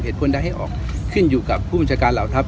เหตุธนไขอะไรให้ออกขึ้นอยู่กับผู้มูลชการเหล่าทัพ